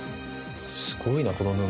すごいなこの布。